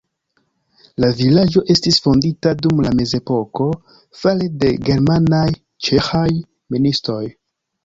La vilaĝo estis fondita dum la mezepoko fare de germanaj-ĉeĥaj ministoj.